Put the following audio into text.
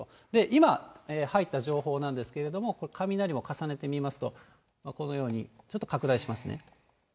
今入った情報なんですけれども、これ、雷も重ねてみますと、このように、ちょっと拡大しますね。